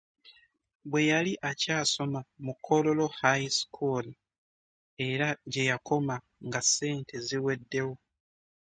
Bwe yali akyasoma mu Kololo High School era gye yakoma nga ssente ziweddewo.